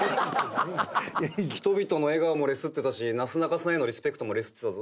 人々の笑顔もレスってたしなすなかさんへのリスペクトもレスってたぞ。